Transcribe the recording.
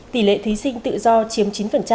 tỷ lệ thí sinh tự do chiếm chín